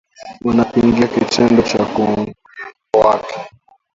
Wanapinga kitendo cha kunyongwa kwake